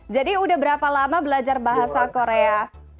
jadi sudah berapa lama belajar bahasa korea